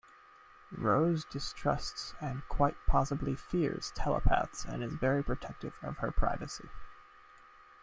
Roz distrusts and quite possibly fears telepaths and is very protective of her privacy.